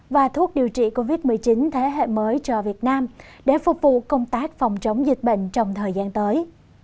và thuốc điều trị covid một mươi chín thế hệ mới cho việt nam để phục vụ công tác phòng chống dịch bệnh trong thời gian tới